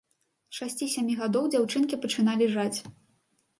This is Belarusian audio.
З шасці-сямі гадоў дзяўчынкі пачыналі жаць.